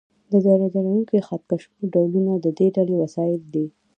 د درجه لرونکو خط کشونو ډولونه د دې ډلې وسایل دي.